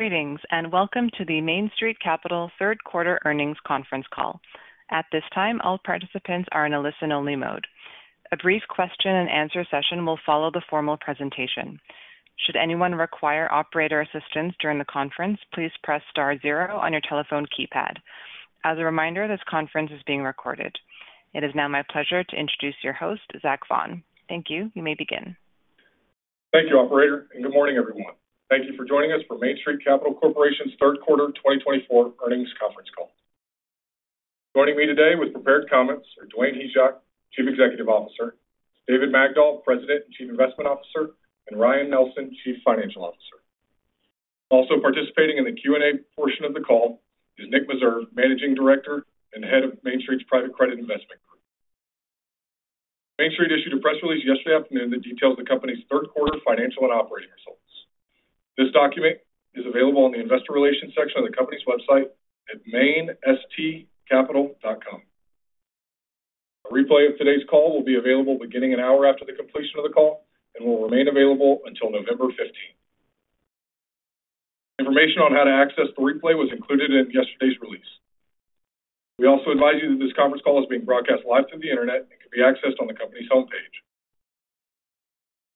Greetings, and welcome to the Main Street Capital Third Quarter Earnings Conference Call. At this time, all participants are in a listen-only mode. A brief question-and-answer session will follow the formal presentation. Should anyone require operator assistance during the conference, please press star zero on your telephone keypad. As a reminder, this conference is being recorded. It is now my pleasure to introduce your host, Zach Vaughan. Thank you. You may begin. Thank you, Operator, and good morning, everyone. Thank you for joining us for Main Street Capital Corporation's Third Quarter 2024 Earnings Conference Call. Joining me today with prepared comments are Dwayne Hyzak, Chief Executive Officer, David Magdol, President and Chief Investment Officer, and Ryan Nelson, Chief Financial Officer. Also participating in the Q&A portion of the call is Nick Meserve, Managing Director and Head of Main Street's Private Credit Investment Group. Main Street issued a press release yesterday afternoon that details the company's third quarter financial and operating results. This document is available on the Investor Relations section of the company's website at mainstreetcapital.com. A replay of today's call will be available beginning an hour after the completion of the call and will remain available until November 15th. Information on how to access the replay was included in yesterday's release. We also advise you that this conference call is being broadcast live through the internet and can be accessed on the company's homepage.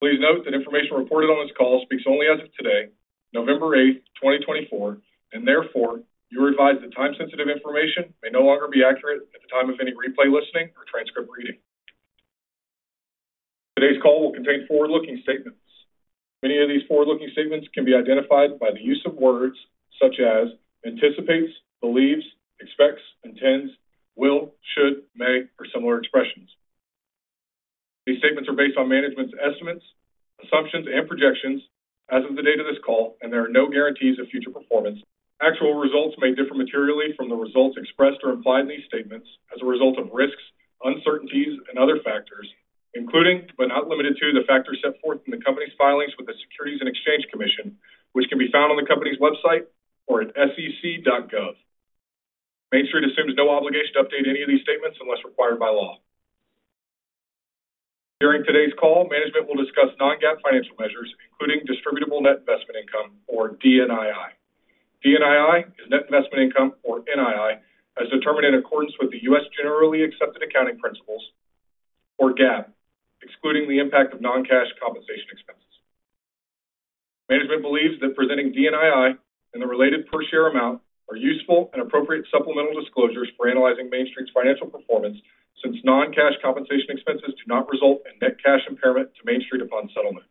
Please note that information reported on this call speaks only as of today, November 8th, 2024, and therefore, you are advised that time-sensitive information may no longer be accurate at the time of any replay listening or transcript reading. Today's call will contain forward-looking statements. Many of these forward-looking statements can be identified by the use of words such as anticipates, believes, expects, intends, will, should, may, or similar expressions. These statements are based on management's estimates, assumptions, and projections as of the date of this call, and there are no guarantees of future performance. Actual results may differ materially from the results expressed or implied in these statements as a result of risks, uncertainties, and other factors, including, but not limited to, the factors set forth in the company's filings with the Securities and Exchange Commission, which can be found on the company's website or at sec.gov. Main Street assumes no obligation to update any of these statements unless required by law. During today's call, management will discuss non-GAAP financial measures, including distributable net investment income, or DNII. DNII is net investment income, or NII, as determined in accordance with the U.S. Generally Accepted Accounting Principles, or GAAP, excluding the impact of non-cash compensation expenses. Management believes that presenting DNII and the related per-share amount are useful and appropriate supplemental disclosures for analyzing Main Street's financial performance since non-cash compensation expenses do not result in net cash impairment to Main Street upon settlement.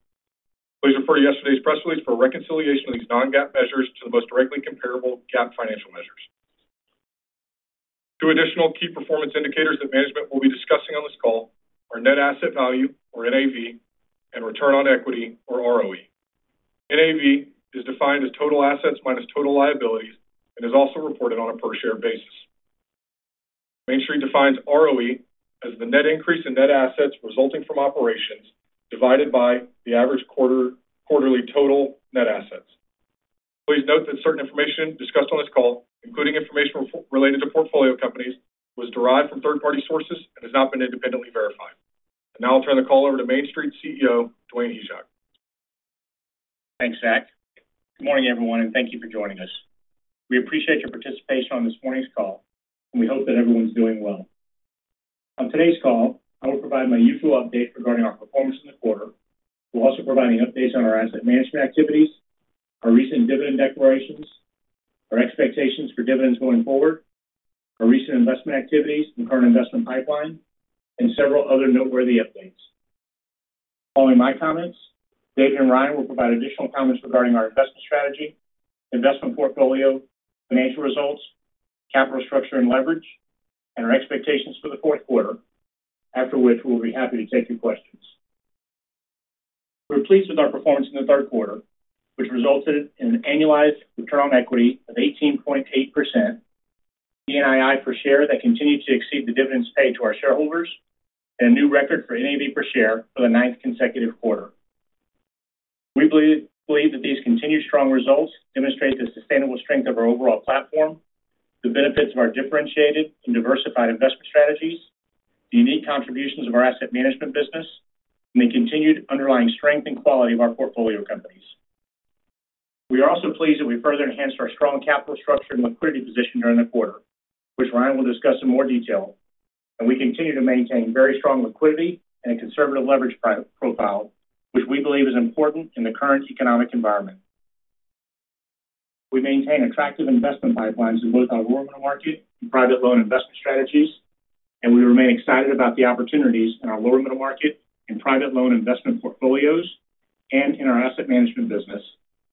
Please refer to yesterday's press release for reconciliation of these non-GAAP measures to the most directly comparable GAAP financial measures. Two additional key performance indicators that management will be discussing on this call are net asset value, or NAV, and return on equity, or ROE. NAV is defined as total assets minus total liabilities and is also reported on a per-share basis. Main Street defines ROE as the net increase in net assets resulting from operations divided by the average quarterly total net assets. Please note that certain information discussed on this call, including information related to portfolio companies, was derived from third-party sources and has not been independently verified. And now I'll turn the call over to Main Street CEO, Dwayne Hyzak. Thanks, Zach. Good morning, everyone, and thank you for joining us. We appreciate your participation on this morning's call, and we hope that everyone's doing well. On today's call, I will provide my usual update regarding our performance in the quarter. We'll also provide any updates on our asset management activities, our recent dividend declarations, our expectations for dividends going forward, our recent investment activities, the current investment pipeline, and several other noteworthy updates. Following my comments, David and Ryan will provide additional comments regarding our investment strategy, investment portfolio, financial results, capital structure and leverage, and our expectations for the fourth quarter, after which we'll be happy to take your questions. We're pleased with our performance in the third quarter, which resulted in an annualized return on equity of 18.8%, DNII per share that continued to exceed the dividends paid to our shareholders, and a new record for NAV per share for the ninth consecutive quarter. We believe that these continued strong results demonstrate the sustainable strength of our overall platform, the benefits of our differentiated and diversified investment strategies, the unique contributions of our asset management business, and the continued underlying strength and quality of our portfolio companies. We are also pleased that we further enhanced our strong capital structure and liquidity position during the quarter, which Ryan will discuss in more detail, and we continue to maintain very strong liquidity and a conservative leverage profile, which we believe is important in the current economic environment. We maintain attractive investment pipelines in both our lower-middle market and private loan investment strategies, and we remain excited about the opportunities in our lower-middle market and private loan investment portfolios and in our asset management business,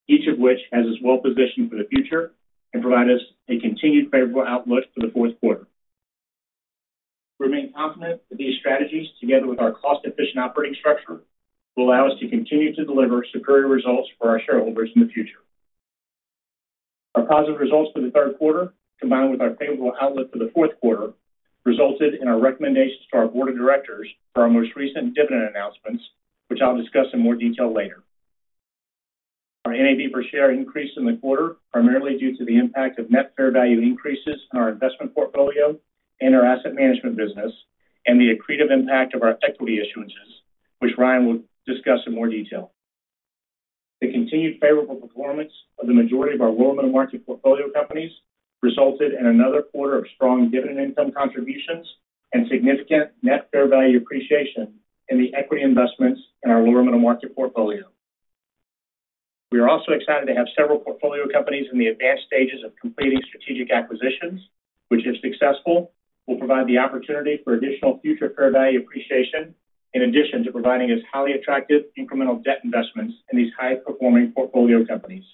each of which has us well-positioned for the future and provides us a continued favorable outlook for the fourth quarter. We remain confident that these strategies, together with our cost-efficient operating structure, will allow us to continue to deliver superior results for our shareholders in the future. Our positive results for the third quarter, combined with our favorable outlook for the fourth quarter, resulted in our recommendations to our board of directors for our most recent dividend announcements, which I'll discuss in more detail later. Our NAV per share increased in the quarter primarily due to the impact of net fair value increases in our investment portfolio and our asset management business and the accretive impact of our equity issuances, which Ryan will discuss in more detail. The continued favorable performance of the majority of our lower-middle market portfolio companies resulted in another quarter of strong dividend income contributions and significant net fair value appreciation in the equity investments in our lower-middle market portfolio. We are also excited to have several portfolio companies in the advanced stages of completing strategic acquisitions, which, if successful, will provide the opportunity for additional future fair value appreciation in addition to providing us highly attractive incremental debt investments in these high-performing portfolio companies.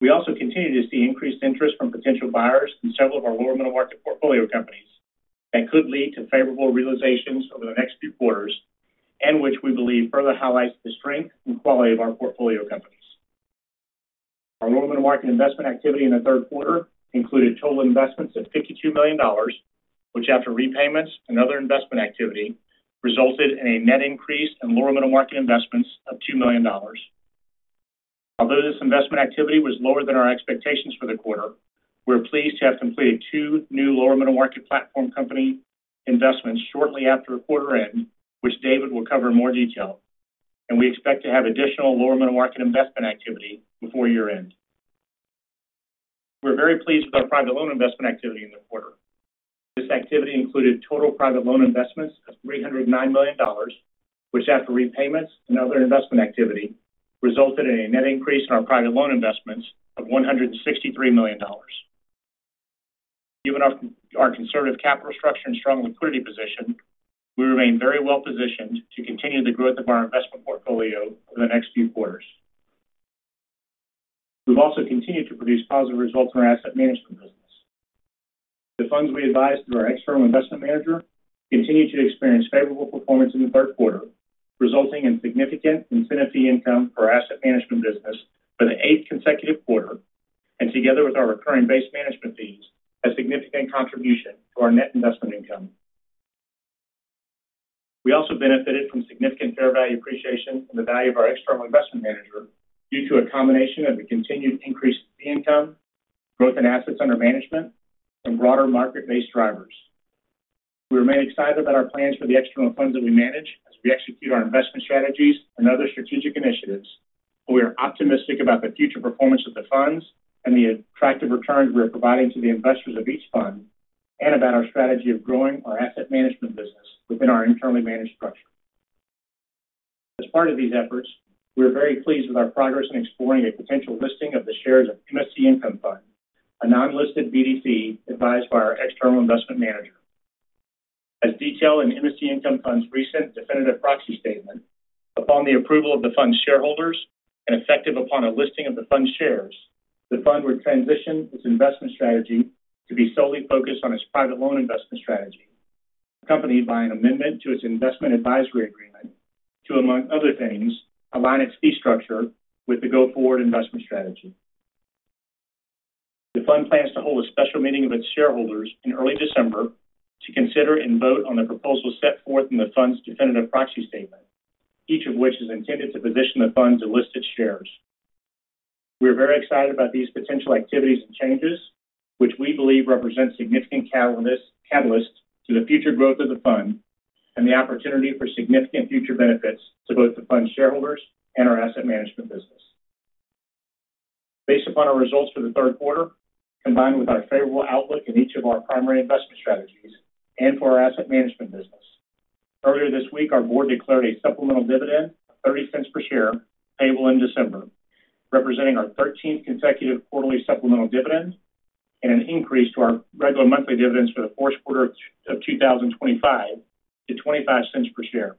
We also continue to see increased interest from potential buyers in several of our lower-middle market portfolio companies that could lead to favorable realizations over the next few quarters, and which we believe further highlights the strength and quality of our portfolio companies. Our lower-middle market investment activity in the third quarter included total investments of $52 million, which, after repayments and other investment activity, resulted in a net increase in lower-middle market investments of $2 million. Although this investment activity was lower than our expectations for the quarter, we're pleased to have completed two new lower-middle market platform company investments shortly after quarter end, which David will cover in more detail, and we expect to have additional lower-middle market investment activity before year-end. We're very pleased with our private loan investment activity in the quarter. This activity included total private loan investments of $309 million, which, after repayments and other investment activity, resulted in a net increase in our private loan investments of $163 million. Given our conservative capital structure and strong liquidity position, we remain very well-positioned to continue the growth of our investment portfolio over the next few quarters. We've also continued to produce positive results in our asset management business. The funds we advised through our external investment manager continue to experience favorable performance in the third quarter, resulting in significant incentive fee income for our asset management business for the eighth consecutive quarter, and together with our recurring base management fees, a significant contribution to our net investment income. We also benefited from significant fair value appreciation in the value of our external investment manager due to a combination of the continued increase in fee income, growth in assets under management, and broader market-based drivers. We remain excited about our plans for the external funds that we manage as we execute our investment strategies and other strategic initiatives, but we are optimistic about the future performance of the funds and the attractive returns we are providing to the investors of each fund, and about our strategy of growing our asset management business within our internally managed structure. As part of these efforts, we are very pleased with our progress in exploring a potential listing of the shares of MSC Income Fund, a non-listed BDC advised by our external investment manager. As detailed in MSC Income Fund's recent definitive proxy statement, upon the approval of the fund's shareholders and effective upon a listing of the fund's shares, the fund would transition its investment strategy to be solely focused on its private loan investment strategy, accompanied by an amendment to its investment advisory agreement to, among other things, align its fee structure with the go-forward investment strategy. The fund plans to hold a special meeting with its shareholders in early December to consider and vote on the proposals set forth in the fund's definitive proxy statement, each of which is intended to position the fund to list its shares. We are very excited about these potential activities and changes, which we believe represent significant catalysts to the future growth of the fund and the opportunity for significant future benefits to both the fund's shareholders and our asset management business. Based upon our results for the third quarter, combined with our favorable outlook in each of our primary investment strategies and for our asset management business, earlier this week, our board declared a supplemental dividend of $0.30 per share payable in December, representing our 13th consecutive quarterly supplemental dividend and an increase to our regular monthly dividends for the fourth quarter of 2025 to $0.25 per share.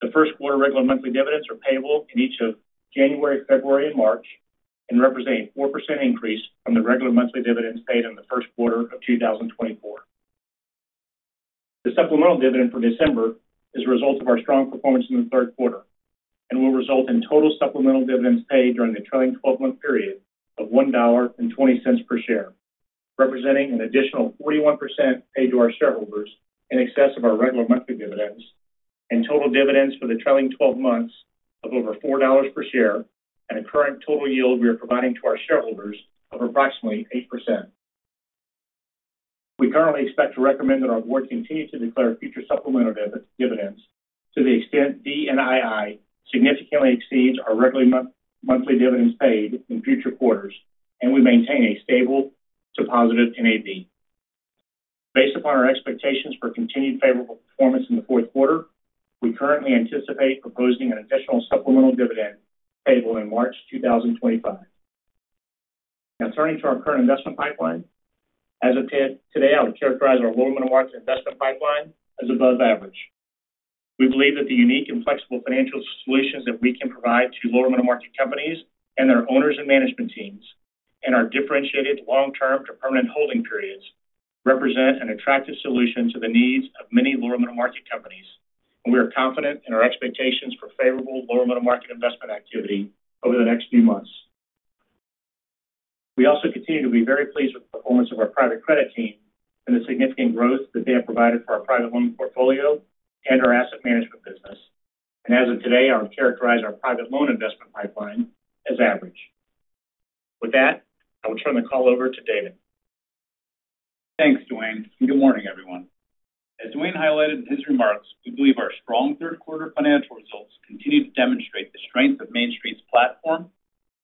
The first quarter regular monthly dividends are payable in each of January, February, and March and represent a 4% increase from the regular monthly dividends paid in the first quarter of 2024. The supplemental dividend for December is a result of our strong performance in the third quarter and will result in total supplemental dividends paid during the trailing 12-month period of $1.20 per share, representing an additional 41% paid to our shareholders in excess of our regular monthly dividends and total dividends for the trailing 12 months of over $4 per share and a current total yield we are providing to our shareholders of approximately 8%. We currently expect to recommend that our board continue to declare future supplemental dividends to the extent DNII significantly exceeds our regular monthly dividends paid in future quarters, and we maintain a stable diluted NAV. Based upon our expectations for continued favorable performance in the fourth quarter, we currently anticipate proposing an additional supplemental dividend payable in March 2025. Now, turning to our current investment pipeline, as of today, I would characterize our lower-middle market investment pipeline as above average. We believe that the unique and flexible financial solutions that we can provide to lower-middle market companies and their owners and management teams and our differentiated long-term to permanent holding periods represent an attractive solution to the needs of many lower-middle market companies, and we are confident in our expectations for favorable lower-middle market investment activity over the next few months. We also continue to be very pleased with the performance of our private credit team and the significant growth that they have provided for our private loan portfolio and our asset management business, and as of today, I would characterize our private loan investment pipeline as average. With that, I will turn the call over to David. Thanks, Dwayne, and good morning, everyone. As Dwayne highlighted in his remarks, we believe our strong third-quarter financial results continue to demonstrate the strength of Main Street's platform,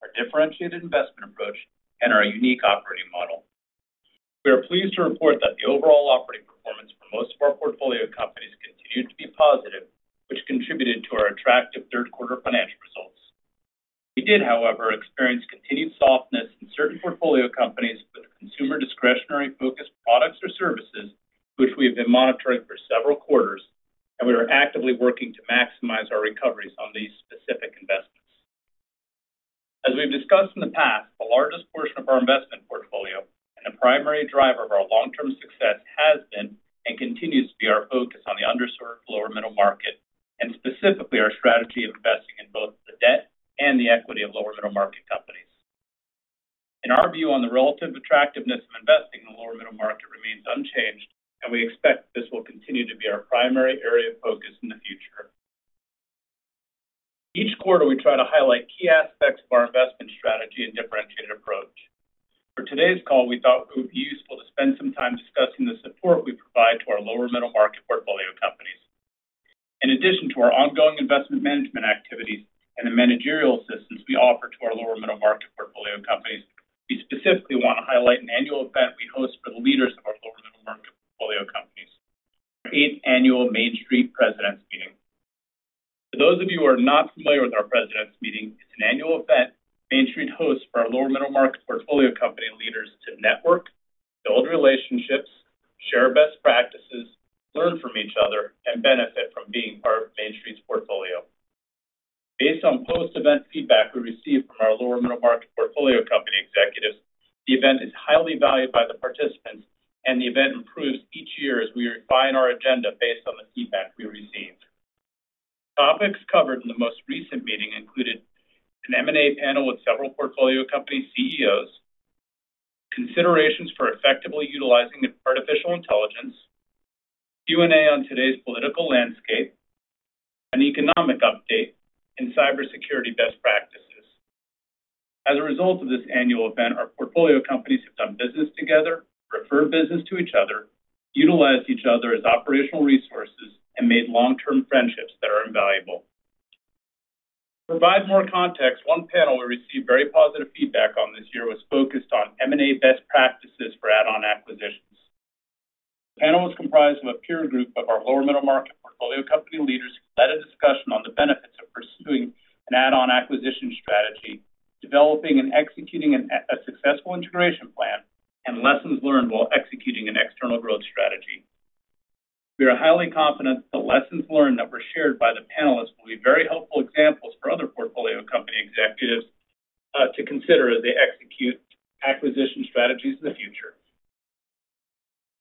our differentiated investment approach, and our unique operating model. We are pleased to report that the overall operating performance for most of our portfolio companies continued to be positive, which contributed to our attractive third-quarter financial results. We did, however, experience continued softness in certain portfolio companies with consumer discretionary-focused products or services, which we have been monitoring for several quarters, and we are actively working to maximize our recoveries on these specific investments. As we've discussed in the past, the largest portion of our investment portfolio and the primary driver of our long-term success has been and continues to be our focus on the underserved lower-middle market, and specifically our strategy of investing in both the debt and the equity of lower-middle market companies. In our view, the relative attractiveness of investing in the lower-middle market remains unchanged, and we expect this will continue to be our primary area of focus in the future. Each quarter, we try to highlight key aspects of our investment strategy and differentiated approach. For today's call, we thought it would be useful to spend some time discussing the support we provide to our lower-middle market portfolio companies. In addition to our ongoing investment management activities and the managerial assistance we offer to our lower-middle market portfolio companies, we specifically want to highlight an annual event we host for the leaders of our lower-middle market portfolio companies, our eighth annual Main Street Presidents Meeting. For those of you who are not familiar with our Presidents Meeting, it's an annual event Main Street hosts for our lower-middle market portfolio company leaders to network, build relationships, share best practices, learn from each other, and benefit from being part of Main Street's portfolio. Based on post-event feedback we received from our lower-middle market portfolio company executives, the event is highly valued by the participants, and the event improves each year as we refine our agenda based on the feedback we received. Topics covered in the most recent meeting included an M&A panel with several portfolio company CEOs, considerations for effectively utilizing artificial intelligence, Q&A on today's political landscape, an economic update, and cybersecurity best practices. As a result of this annual event, our portfolio companies have done business together, referred business to each other, utilized each other as operational resources, and made long-term friendships that are invaluable. To provide more context, one panel we received very positive feedback on this year was focused on M&A best practices for add-on acquisitions. The panel was comprised of a peer group of our lower-middle market portfolio company leaders who led a discussion on the benefits of pursuing an add-on acquisition strategy, developing and executing a successful integration plan, and lessons learned while executing an external growth strategy. We are highly confident that the lessons learned that were shared by the panelists will be very helpful examples for other portfolio company executives to consider as they execute acquisition strategies in the future.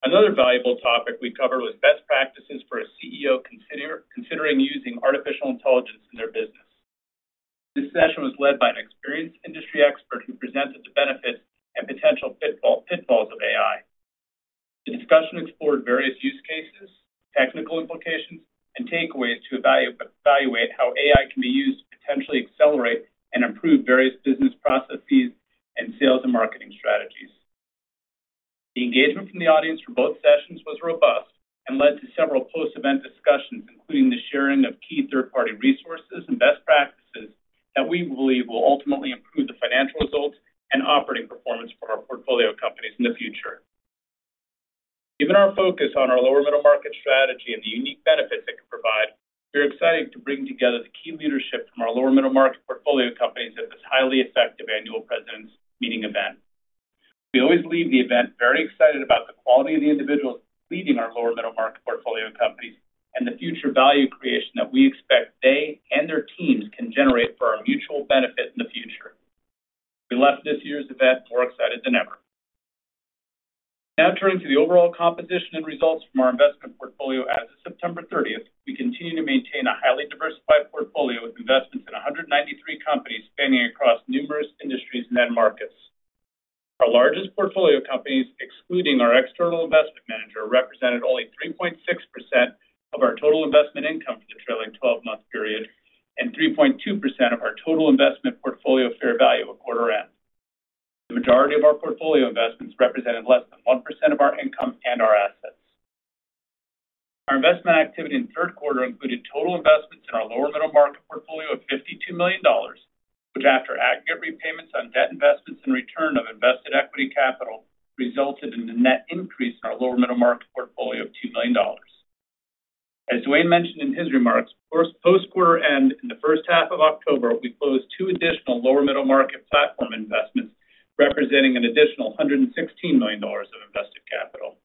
Another valuable topic we covered was best practices for a CEO considering using artificial intelligence in their business. This session was led by an experienced industry expert who presented the benefits and potential pitfalls of AI. The discussion explored various use cases, technical implications, and takeaways to evaluate how AI can be used to potentially accelerate and improve various business processes and sales and marketing strategies. The engagement from the audience for both sessions was robust and led to several post-event discussions, including the sharing of key third-party resources and best practices that we believe will ultimately improve the financial results and operating performance for our portfolio companies in the future. Given our focus on our lower-middle market strategy and the unique benefits it can provide, we are excited to bring together the key leadership from our lower-middle market portfolio companies at this highly effective annual Presidents Meeting event. We always leave the event very excited about the quality of the individuals leading our lower-middle market portfolio companies and the future value creation that we expect they and their teams can generate for our mutual benefit in the future. We left this year's event more excited than ever. Now, turning to the overall composition and results from our investment portfolio as of September 30th, we continue to maintain a highly diversified portfolio with investments in 193 companies spanning across numerous industries and markets. Our largest portfolio companies, excluding our external investment manager, represented only 3.6% of our total investment income for the trailing 12-month period and 3.2% of our total investment portfolio fair value at quarter end. The majority of our portfolio investments represented less than 1% of our income and our assets. Our investment activity in the third quarter included total investments in our lower-middle market portfolio of $52 million, which, after aggregate repayments on debt investments and return of invested equity capital, resulted in a net increase in our lower-middle market portfolio of $2 million. As Dwayne mentioned in his remarks, post-quarter end in the first half of October, we closed two additional lower-middle market platform investments, representing an additional $116 million of invested capital.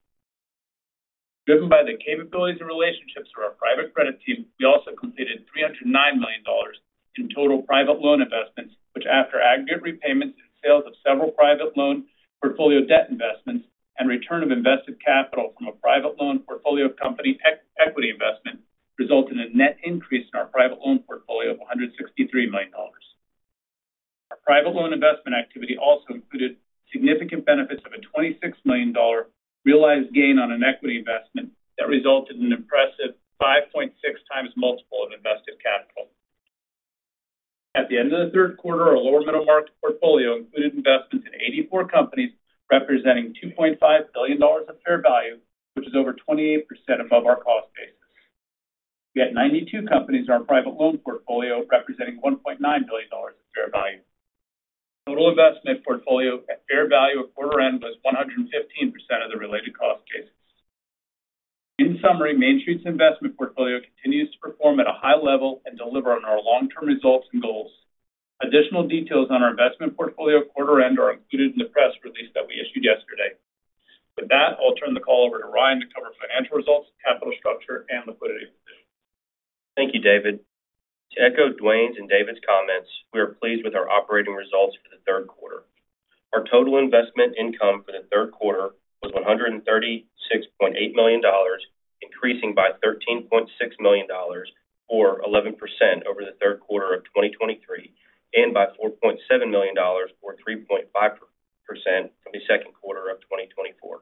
Driven by the capabilities and relationships of our private credit team, we also completed $309 million in total private loan investments, which, after aggregate repayments and sales of several private loan portfolio debt investments and return of invested capital from a private loan portfolio company equity investment, resulted in a net increase in our private loan portfolio of $163 million. Our private loan investment activity also included significant benefits of a $26 million realized gain on an equity investment that resulted in an impressive 5.6 times multiple of invested capital. At the end of the third quarter, our lower-middle market portfolio included investments in 84 companies representing $2.5 billion of fair value, which is over 28% above our cost basis. We had 92 companies in our private loan portfolio representing $1.9 billion of fair value. Total investment portfolio at fair value at quarter end was 115% of the related cost basis. In summary, Main Street's investment portfolio continues to perform at a high level and deliver on our long-term results and goals. Additional details on our investment portfolio at quarter end are included in the press release that we issued yesterday. With that, I'll turn the call over to Ryan to cover financial results, capital structure, and liquidity positions. Thank you, David. To echo Dwayne's and David's comments, we are pleased with our operating results for the third quarter. Our total investment income for the third quarter was $136.8 million, increasing by $13.6 million, or 11% over the third quarter of 2023, and by $4.7 million, or 3.5%, from the second quarter of 2024.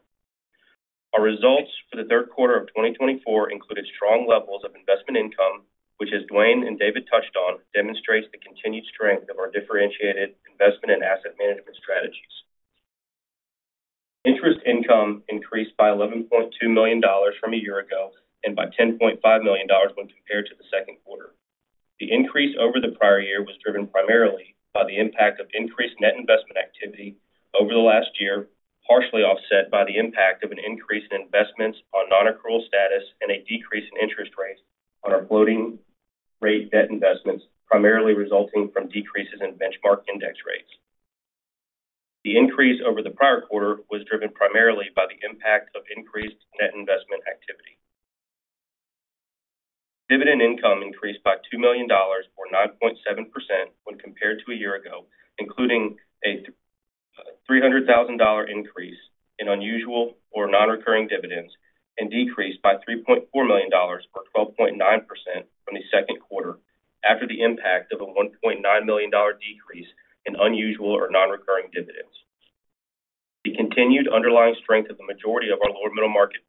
Our results for the third quarter of 2024 included strong levels of investment income, which, as Dwayne and David touched on, demonstrates the continued strength of our differentiated investment and asset management strategies. Interest income increased by $11.2 million from a year ago and by $10.5 million when compared to the second quarter. The increase over the prior year was driven primarily by the impact of increased net investment activity over the last year, partially offset by the impact of an increase in investments on non-accrual status and a decrease in interest rates on our floating-rate debt investments, primarily resulting from decreases in benchmark index rates. The increase over the prior quarter was driven primarily by the impact of increased net investment activity. Dividend income increased by $2 million, or 9.7%, when compared to a year ago, including a $300,000 increase in unusual or non-recurring dividends and decreased by $3.4 million, or 12.9%, from the second quarter after the impact of a $1.9 million decrease in unusual or non-recurring dividends. The continued underlying strength of the majority of our lower-middle market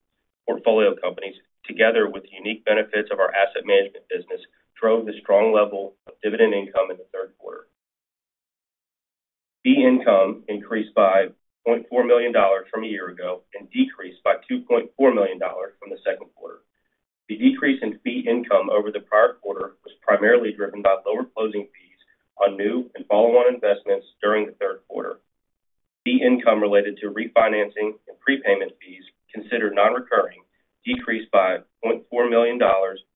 portfolio companies, together with the unique benefits of our asset management business, drove the strong level of dividend income in the third quarter. Fee income increased by $0.4 million from a year ago and decreased by $2.4 million from the second quarter. The decrease in fee income over the prior quarter was primarily driven by lower closing fees on new and follow-on investments during the third quarter. Fee income related to refinancing and prepayment fees, considered non-recurring, decreased by $0.4 million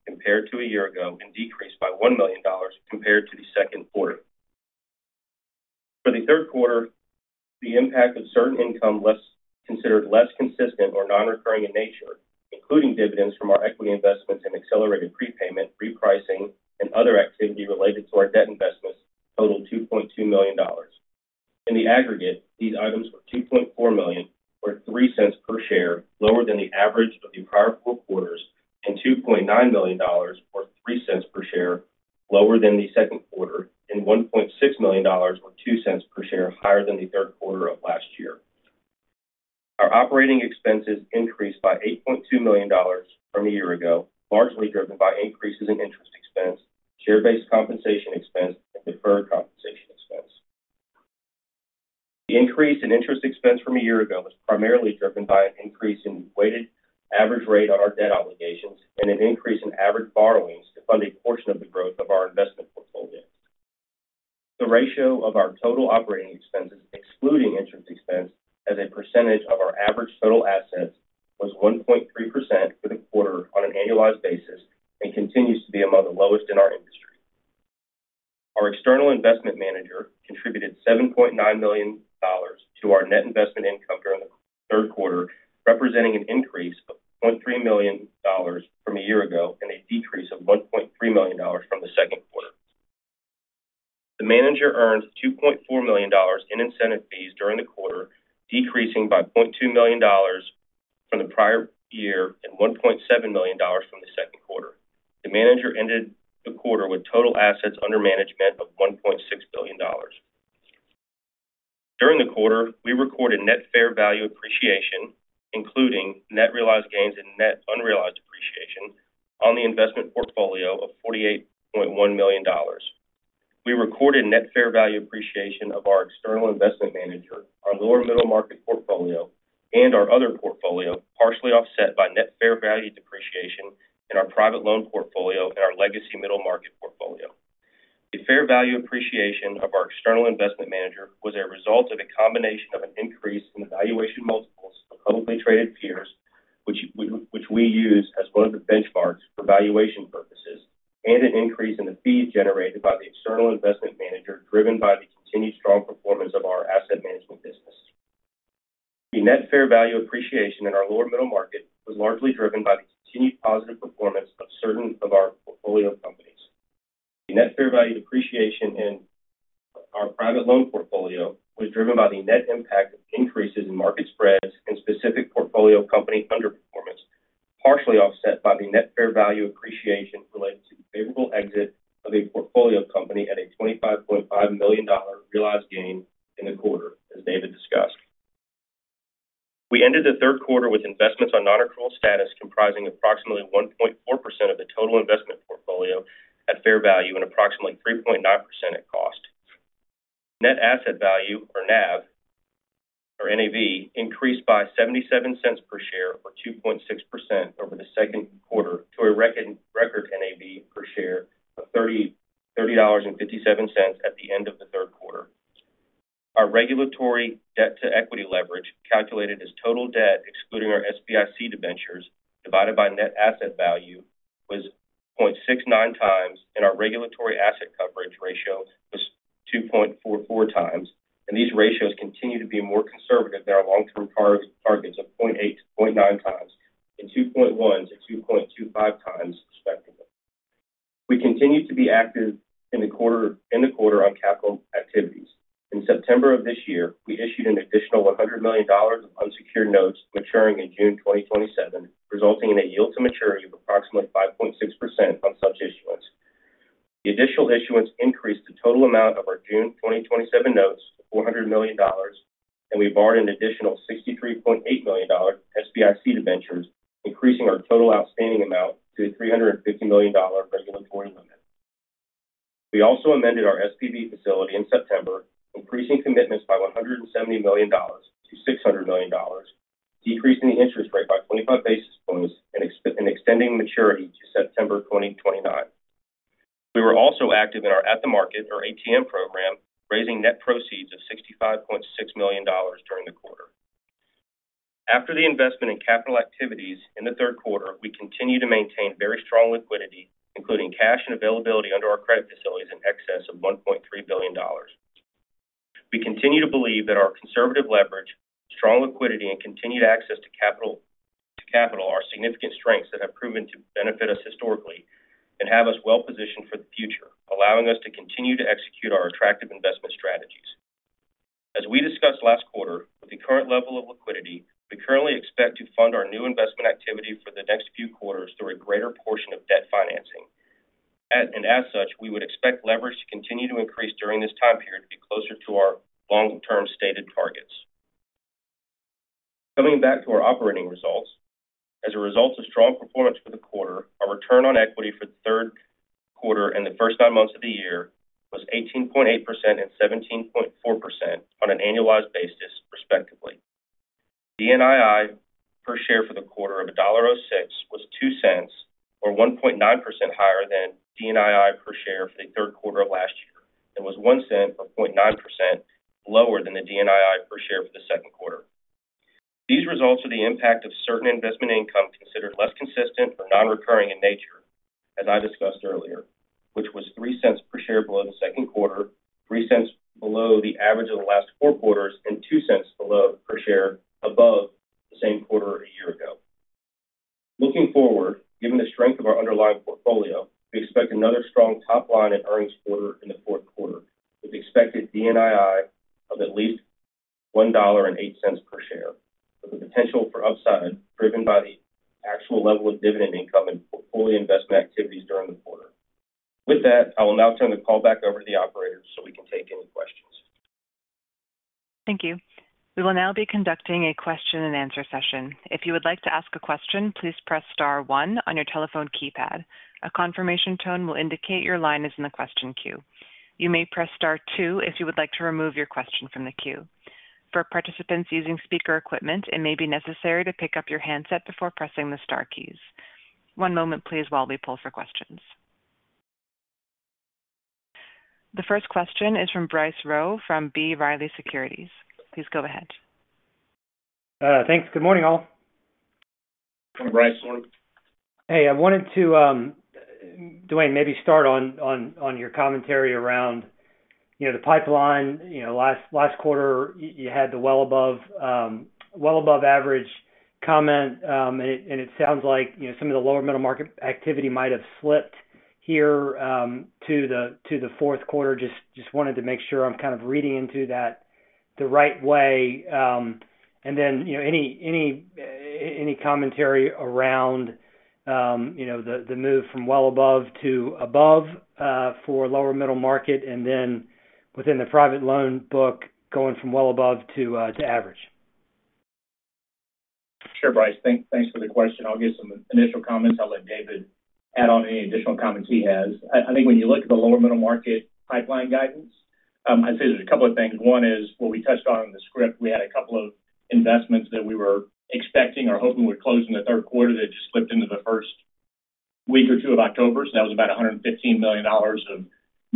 compared to a year ago and decreased by $1 million compared to the second quarter. For the third quarter, the impact of certain income considered less consistent or non-recurring in nature, including dividends from our equity investments and accelerated prepayment, repricing, and other activity related to our debt investments, totaled $2.2 million. In the aggregate, these items were $2.4 million, or 3 cents per share, lower than the average of the prior four quarters, and $2.9 million, or 3 cents per share, lower than the second quarter, and $1.6 million, or 2 cents per share, higher than the third quarter of last year. Our operating expenses increased by $8.2 million from a year ago, largely driven by increases in interest expense, share-based compensation expense, and deferred compensation expense. The increase in interest expense from a year ago was primarily driven by an increase in weighted average rate on our debt obligations and an increase in average borrowings to fund a portion of the growth of our investment portfolio. The ratio of our total operating expenses, excluding interest expense, as a percentage of our average total assets was 1.3% for the quarter on an annualized basis and continues to be among the lowest in our industry. Our external investment manager contributed $7.9 million to our net investment income during the third quarter, representing an increase of $0.3 million from a year ago and a decrease of $1.3 million from the second quarter. The manager earned $2.4 million in incentive fees during the quarter, decreasing by $0.2 million from the prior year and $1.7 million from the second quarter. The manager ended the quarter with total assets under management of $1.6 billion. During the quarter, we recorded net fair value appreciation, including net realized gains and net unrealized appreciation, on the investment portfolio of $48.1 million. We recorded net fair value appreciation of our external investment manager, our lower-middle market portfolio, and our other portfolio, partially offset by net fair value depreciation in our private loan portfolio and our legacy middle market portfolio. The fair value appreciation of our external investment manager was a result of a combination of an increase in valuation multiples of publicly traded peers, which we use as one of the benchmarks for valuation purposes, and an increase in the fees generated by the external investment manager, driven by the continued strong performance of our asset management business. The net fair value appreciation in our lower-middle market was largely driven by the continued positive performance of certain of our portfolio companies. The net fair value depreciation in our private loan portfolio was driven by the net impact of increases in market spreads and specific portfolio company underperformance, partially offset by the net fair value appreciation related to the favorable exit of a portfolio company at a $25.5 million realized gain in the quarter, as David discussed. We ended the third quarter with investments on non-accrual status comprising approximately 1.4% of the total investment portfolio at fair value and approximately 3.9% at cost. Net asset value, or NAV, increased by $0.77 per share, or 2.6%, over the second quarter to a record NAV per share of $30.57 at the end of the third quarter. Our regulatory debt-to-equity leverage, calculated as total debt excluding our SBIC debentures, divided by net asset value, was 0.69 times, and our regulatory asset coverage ratio was 2.44 times. These ratios continue to be more conservative than our long-term targets of 0.8-0.9 times and 2.1-2.25 times, respectively. We continued to be active in the quarter on capital activities. In September of this year, we issued an additional $100 million of unsecured notes maturing in June 2027, resulting in a yield-to-maturity of approximately 5.6% on such issuance. The additional issuance increased the total amount of our June 2027 notes to $400 million, and we borrowed an additional $63.8 million SBIC debentures, increasing our total outstanding amount to a $350 million regulatory limit. We also amended our SPV facility in September, increasing commitments by $170 million-$600 million, decreasing the interest rate by 25 basis points and extending maturity to September 2029. We were also active in our At the Market, or ATM, program, raising net proceeds of $65.6 million during the quarter. After the investment in capital activities in the third quarter, we continue to maintain very strong liquidity, including cash and availability under our credit facilities in excess of $1.3 billion. We continue to believe that our conservative leverage, strong liquidity, and continued access to capital are significant strengths that have proven to benefit us historically and have us well-positioned for the future, allowing us to continue to execute our attractive investment strategies. As we discussed last quarter, with the current level of liquidity, we currently expect to fund our new investment activity for the next few quarters through a greater portion of debt financing, and as such, we would expect leverage to continue to increase during this time period to be closer to our long-term stated targets. Coming back to our operating results, as a result of strong performance for the quarter, our return on equity for the third quarter and the first nine months of the year was 18.8% and 17.4% on an annualized basis, respectively. DNII per share for the quarter of $1.06 was $0.02, or 1.9% higher than DNII per share for the third quarter of last year, and was $0.01 or 0.9% lower than the DNII per share for the second quarter. These results are the impact of certain investment income considered less consistent or non-recurring in nature, as I discussed earlier, which was $0.03 per share below the second quarter, $0.03 below the average of the last four quarters, and $0.02 per share above the same quarter a year ago. Looking forward, given the strength of our underlying portfolio, we expect another strong top line and earnings quarter in the fourth quarter with expected DNII of at least $1.08 per share, with the potential for upside driven by the actual level of dividend income and portfolio investment activities during the quarter. With that, I will now turn the call back over to the operators so we can take any questions. Thank you. We will now be conducting a question-and-answer session. If you would like to ask a question, please press star one on your telephone keypad. A confirmation tone will indicate your line is in the question queue. You may press star two if you would like to remove your question from the queue. For participants using speaker equipment, it may be necessary to pick up your handset before pressing the star keys. One moment, please, while we pull for questions. The first question is from Bryce Rowe from B. Riley Securities. Please go ahead. Thanks. Good morning, all. From Bryce Rowe. Hey, I wanted to, Dwayne, maybe start on your commentary around the pipeline. Last quarter, you had the well above average comment, and it sounds like some of the lower-middle market activity might have slipped here to the fourth quarter. Just wanted to make sure I'm kind of reading into that the right way. And then any commentary around the move from well above to above for lower-middle market, and then within the private loan book, going from well above to average. Sure, Bryce. Thanks for the question. I'll give some initial comments. I'll let David add on any additional comments he has. I think when you look at the lower-middle market pipeline guidance, I'd say there's a couple of things. One is, what we touched on in the script, we had a couple of investments that we were expecting or hoping would close in the third quarter that just slipped into the first week or two of October. So that was about $115 million of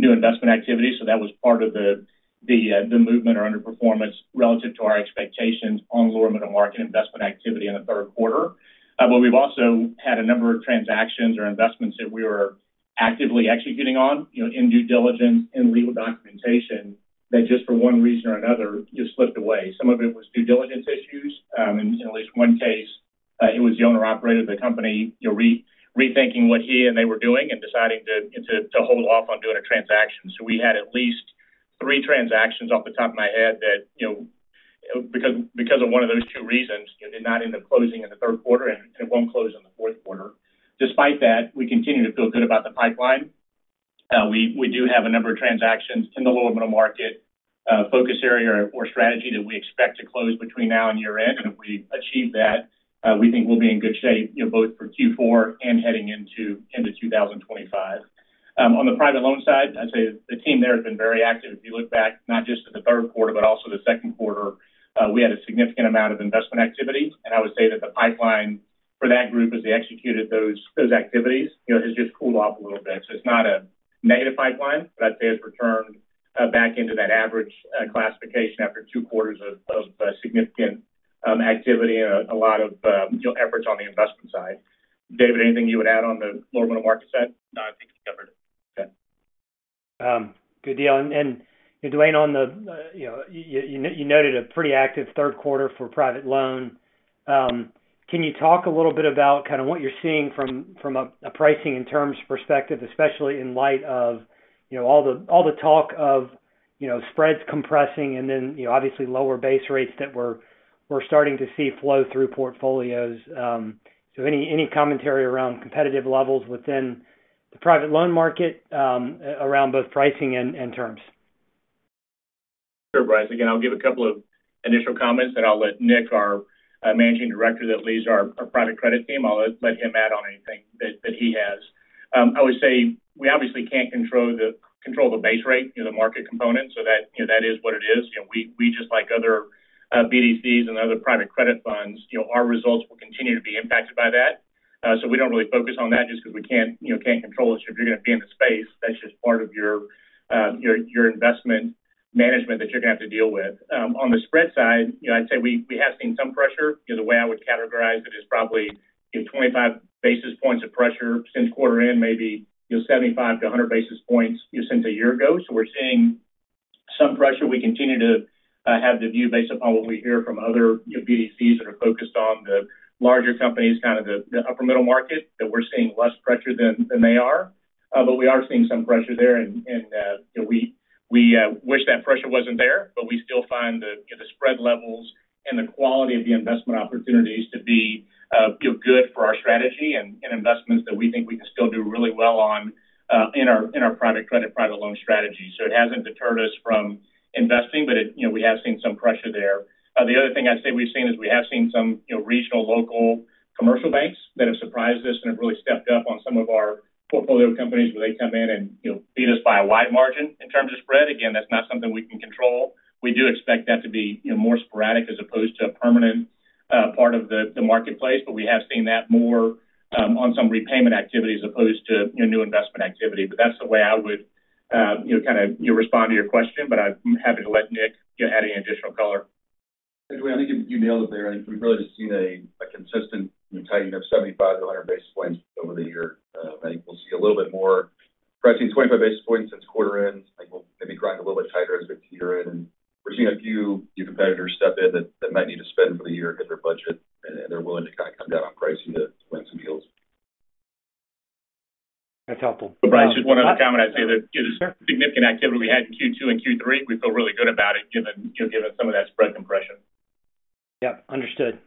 new investment activity. So that was part of the movement or underperformance relative to our expectations on lower-middle market investment activity in the third quarter. But we've also had a number of transactions or investments that we were actively executing on, in due diligence, in legal documentation, that just for one reason or another, slipped away. Some of it was due diligence issues. In at least one case, it was the owner-operator of the company rethinking what he and they were doing and deciding to hold off on doing a transaction. So we had at least three transactions off the top of my head that, because of one of those two reasons, did not end up closing in the third quarter, and it won't close in the fourth quarter. Despite that, we continue to feel good about the pipeline. We do have a number of transactions in the lower-middle market focus area or strategy that we expect to close between now and year-end. And if we achieve that, we think we'll be in good shape, both for Q4 and heading into 2025. On the private loan side, I'd say the team there has been very active. If you look back, not just to the third quarter, but also the second quarter, we had a significant amount of investment activity. And I would say that the pipeline for that group as they executed those activities has just cooled off a little bit. So it's not a negative pipeline, but I'd say it's returned back into that average classification after two quarters of significant activity and a lot of efforts on the investment side. David, anything you would add on the lower middle market side? No, I think we covered it. Okay. Good deal. And Dwayne, on that you noted a pretty active third quarter for private loan. Can you talk a little bit about kind of what you're seeing from a pricing and terms perspective, especially in light of all the talk of spreads compressing and then obviously lower base rates that we're starting to see flow through portfolios? So any commentary around competitive levels within the private loan market around both pricing and terms? Sure, Bryce. Again, I'll give a couple of initial comments, and I'll let Nick, our managing director that leads our private credit team, I'll let him add on anything that he has. I would say we obviously can't control the base rate, the market component, so that is what it is. We just, like other BDCs and other private credit funds, our results will continue to be impacted by that. So we don't really focus on that just because we can't control it. So if you're going to be in the space, that's just part of your investment management that you're going to have to deal with. On the spread side, I'd say we have seen some pressure. The way I would categorize it is probably 25 basis points of pressure since quarter-end, maybe 75-100 basis points since a year ago. So we're seeing some pressure. We continue to have the view based upon what we hear from other BDCs that are focused on the larger companies, kind of the upper-middle market, that we're seeing less pressure than they are. But we are seeing some pressure there, and we wish that pressure wasn't there, but we still find the spread levels and the quality of the investment opportunities to be good for our strategy and investments that we think we can still do really well on in our private credit private loan strategy, so it hasn't deterred us from investing, but we have seen some pressure there. The other thing I'd say we've seen is we have seen some regional, local commercial banks that have surprised us and have really stepped up on some of our portfolio companies where they come in and beat us by a wide margin in terms of spread. Again, that's not something we can control. We do expect that to be more sporadic as opposed to a permanent part of the marketplace, but we have seen that more on some repayment activity as opposed to new investment activity. But that's the way I would kind of respond to your question, but I'm happy to let Nick add any additional color. Dwayne, I think you nailed it there. I think we've really just seen a consistent tightness of 75-100 basis points over the year. I think we'll see a little bit more pressing, 25 basis points since quarter-end. I think we'll maybe grind a little bit tighter as we get to year-end, and we're seeing a few competitors step in that might need to spend for the year and get their budget, and they're willing to kind of come down on pricing to win some deals. That's helpful. Bryce, just one other comment. I'd say the significant activity we had in Q2 and Q3, we feel really good about it given some of that spread compression. Yep. Understood.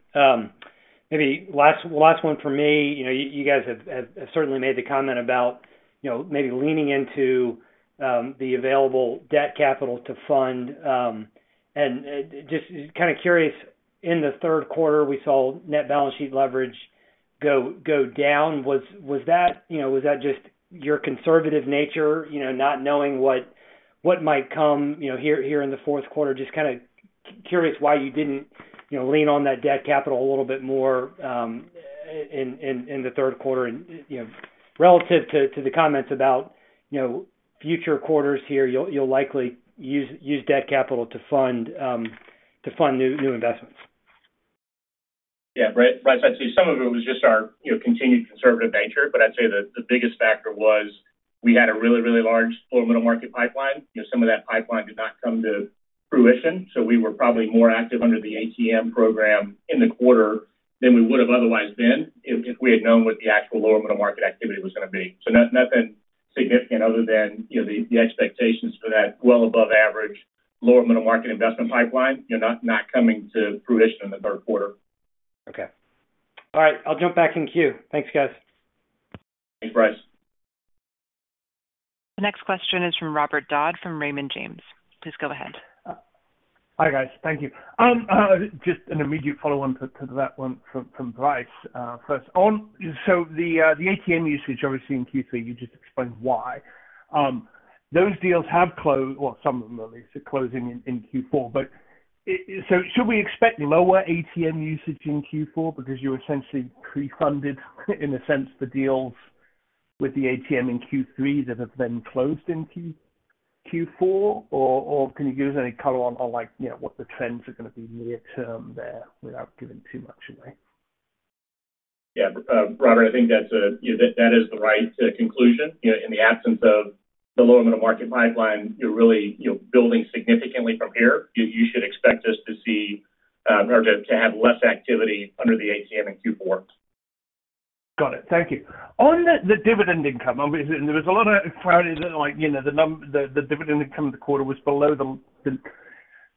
Maybe last one for me. You guys have certainly made the comment about maybe leaning into the available debt capital to fund. And just kind of curious, in the third quarter, we saw net balance sheet leverage go down. Was that just your conservative nature, not knowing what might come here in the fourth quarter? Just kind of curious why you didn't lean on that debt capital a little bit more in the third quarter relative to the comments about future quarters here, you'll likely use debt capital to fund new investments. Yeah. Bryce, I'd say some of it was just our continued conservative nature, but I'd say the biggest factor was we had a really, really large lower-middle market pipeline. Some of that pipeline did not come to fruition, so we were probably more active under the ATM program in the quarter than we would have otherwise been if we had known what the actual lower-middle market activity was going to be. So nothing significant other than the expectations for that well above average lower-middle market investment pipeline not coming to fruition in the third quarter. Okay. All right. I'll jump back in queue. Thanks, guys. Thanks, Bryce. The next question is from Robert Dodd from Raymond James. Please go ahead. Hi, guys. Thank you. Just an immediate follow-on to that one from Bryce first. So the ATM usage I was seeing Q3, you just explained why. Those deals have closed, well, some of them at least, are closing in Q4. So should we expect lower ATM usage in Q4 because you essentially pre-funded, in a sense, the deals with the ATM in Q3 that have then closed in Q4? Or can you give us any color on what the trends are going to be near-term there without giving too much away? Yeah. Robert, I think that is the right conclusion. In the absence of the lower-middle market pipeline, you're really building significantly from here. You should expect us to see or to have less activity under the ATM in Q4. Got it. Thank you. On the dividend income, there was a lot of clarity that the dividend income of the quarter was below. The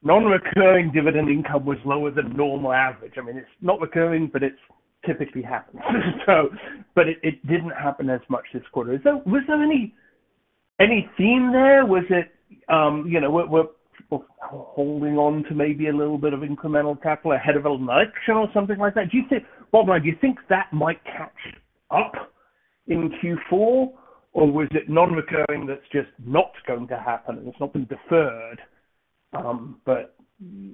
non-recurring dividend income was lower than normal average. I mean, it's not recurring, but it typically happens. But it didn't happen as much this quarter. Was there any theme there? Was it, "We're holding on to maybe a little bit of incremental capital ahead of election or something like that?" Dwayne, do you think that might catch up in Q4, or was it non-recurring that's just not going to happen? It's not been deferred. But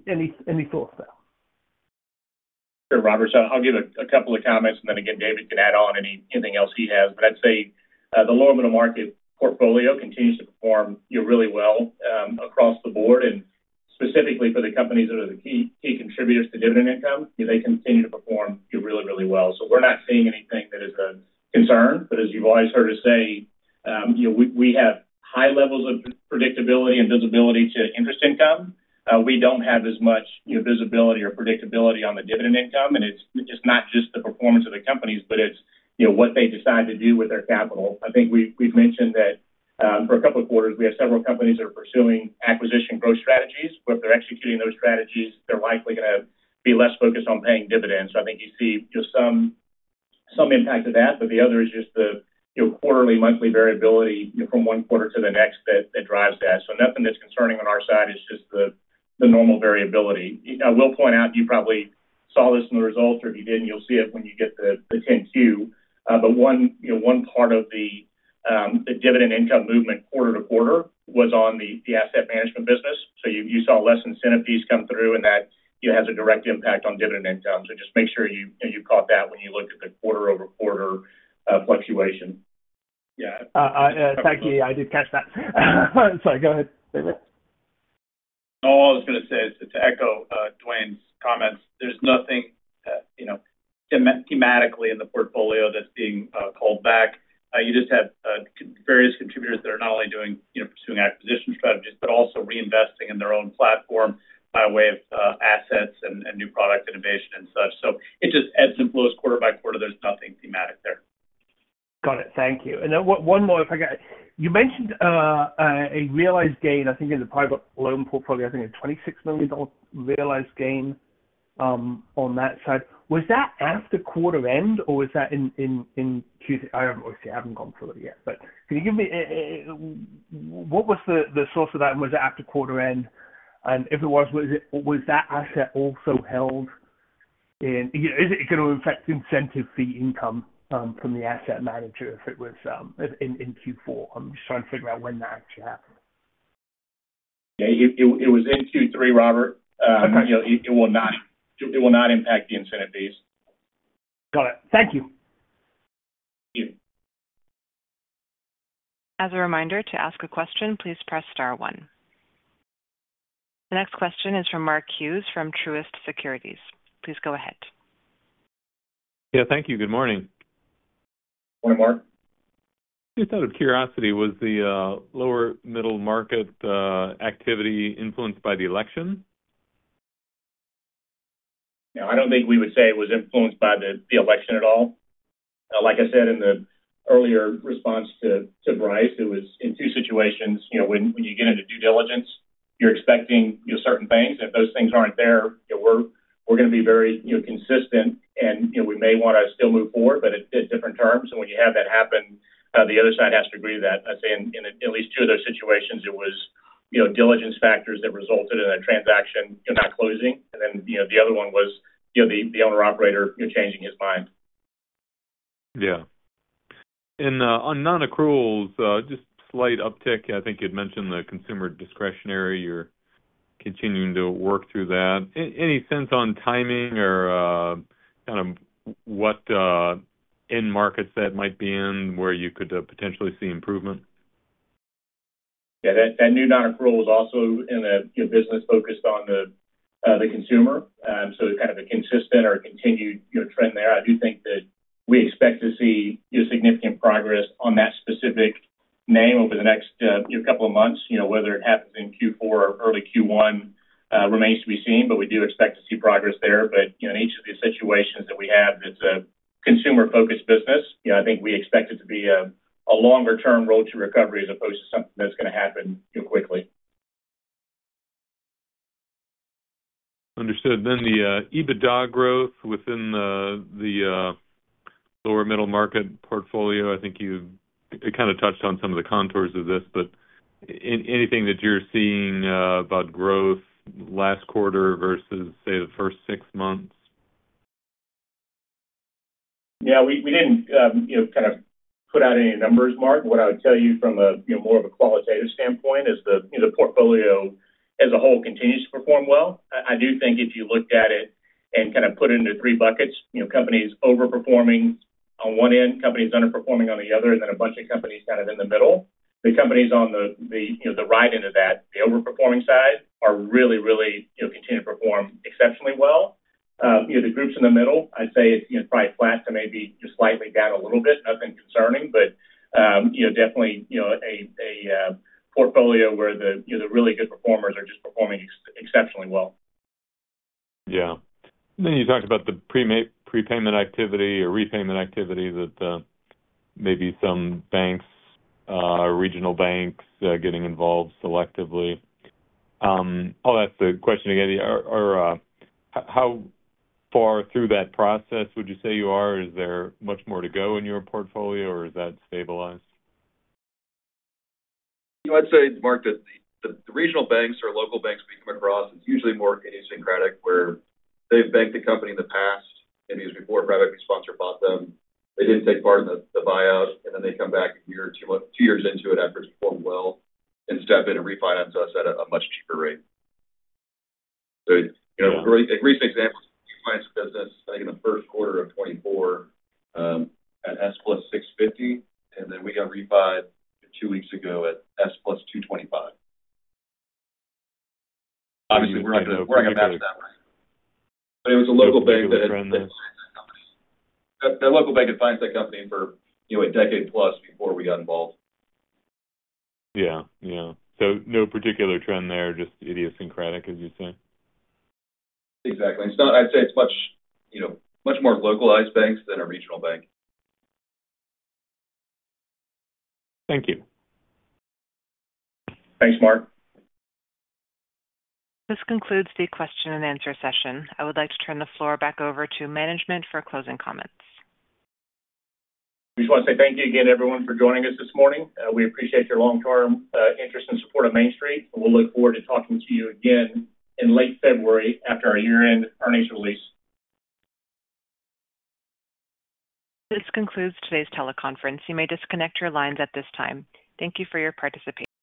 any thoughts there? Sure, Robert. So I'll give a couple of comments, and then again, David can add on anything else he has. But I'd say the lower-middle market portfolio continues to perform really well across the board. And specifically for the companies that are the key contributors to dividend income, they continue to perform really, really well. So we're not seeing anything that is a concern. But as you've always heard us say, we have high levels of predictability and visibility to interest income. We don't have as much visibility or predictability on the dividend income. And it's not just the performance of the companies, but it's what they decide to do with their capital. I think we've mentioned that for a couple of quarters, we have several companies that are pursuing acquisition growth strategies. But if they're executing those strategies, they're likely going to be less focused on paying dividends. So I think you see some impact of that. But the other is just the quarterly, monthly variability from one quarter to the next that drives that. So nothing that's concerning on our side is just the normal variability. I will point out, you probably saw this in the results, or if you didn't, you'll see it when you get the 10-Q. But one part of the dividend income movement quarter-to-quarter was on the asset management business. So you saw less incentive fees come through, and that has a direct impact on dividend income. So just make sure you caught that when you look at the quarter-over-quarter fluctuation. Yeah. Thank you. I did catch that. Sorry. Go ahead, David. All I was going to say is to echo Dwayne's comments. There's nothing thematically in the portfolio that's being called back. You just have various contributors that are not only pursuing acquisition strategies but also reinvesting in their own platform by way of assets and new product innovation and such. So it just ebbs and flows quarter by quarter. There's nothing thematic there. Got it. Thank you. And then one more. You mentioned a realized gain, I think, in the private loan portfolio, I think a $26 million realized gain on that side. Was that after quarter-end, or was that in Q3? I obviously haven't gone through it yet, but can you give me what was the source of that? And was it after quarter-end? And if it was, was that asset also held in? Is it going to affect incentive fee income from the asset manager if it was in Q4? I'm just trying to figure out when that actually happened. Yeah. It was in Q3, Robert. It will not impact the incentive fees. Got it. Thank you. Thank you. As a reminder, to ask a question, please press star one. The next question is from Mark Hughes from Truist Securities. Please go ahead. Yeah. Thank you. Good morning. Morning, Mark. Just out of curiosity, was the lower-middle market activity influenced by the election? No, I don't think we would say it was influenced by the election at all. Like I said in the earlier response to Bryce, it was in two situations. When you get into due diligence, you're expecting certain things. And if those things aren't there, we're going to be very consistent, and we may want to still move forward, but at different terms. And when you have that happen, the other side has to agree to that. I'd say in at least two of those situations, it was diligence factors that resulted in a transaction not closing. And then the other one was the owner-operator changing his mind. Yeah. And on non-accruals, just slight uptick. I think you'd mentioned the consumer discretionary. You're continuing to work through that. Any sense on timing or kind of what end markets that might be in where you could potentially see improvement? Yeah. That new non-accrual was also in a business focused on the consumer, so kind of a consistent or continued trend there. I do think that we expect to see significant progress on that specific name over the next couple of months. Whether it happens in Q4 or early Q1 remains to be seen, but we do expect to see progress there, but in each of these situations that we have that's a consumer-focused business, I think we expect it to be a longer-term road to recovery as opposed to something that's going to happen quickly. Understood. Then the EBITDA growth within the lower-middle market portfolio, I think you kind of touched on some of the contours of this, but anything that you're seeing about growth last quarter versus, say, the first six months? Yeah. We didn't kind of put out any numbers, Mark. What I would tell you from more of a qualitative standpoint is the portfolio as a whole continues to perform well. I do think if you looked at it and kind of put it into three buckets, companies overperforming on one end, companies underperforming on the other, and then a bunch of companies kind of in the middle. The companies on the right end of that, the overperforming side, are really, really continuing to perform exceptionally well. The groups in the middle, I'd say it's probably flat to maybe slightly down a little bit. Nothing concerning, but definitely a portfolio where the really good performers are just performing exceptionally well. Yeah, and then you talked about the prepayment activity or repayment activity that maybe some banks, regional banks, getting involved selectively. I'll ask the question again. How far through that process would you say you are? Is there much more to go in your portfolio, or is that stabilized? I'd say, Mark, that the regional banks or local banks we come across, it's usually more idiosyncratic where they've banked the company in the past, maybe it was before private sponsor bought them. They didn't take part in the buyout, and then they come back two years into it after it's performed well and step in and refinance us at a much cheaper rate. So a recent example is a refinance of business, I think, in the first quarter of 2024 at S+650, and then we got refinanced two weeks ago at S+225. Obviously, we're not going to match that one. But it was a local bank that had financed that company. That local bank had financed that company for a decade plus before we got involved. Yeah. Yeah. So no particular trend there, just idiosyncratic, as you say. Exactly. I'd say it's much more localized banks than a regional bank. Thank you. Thanks, Mark. This concludes the question-and-answer session. I would like to turn the floor back over to management for closing comments. We just want to say thank you again, everyone, for joining us this morning. We appreciate your long-term interest and support of Main Street. We'll look forward to talking to you again in late February after our year-end earnings release. This concludes today's teleconference. You may disconnect your lines at this time. Thank you for your participation.